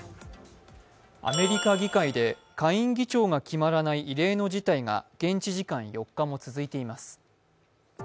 アメリカ議会で下院議長が決まらない異例の事態が現地時間４日も続いています。